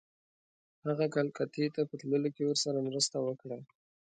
هغه کلکتې ته په تللو کې ورسره مرسته وکړه.